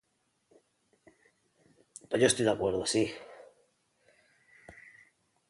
Es optimista, alegre y cariñoso, pero a la vez irascible, impaciente y perfeccionista.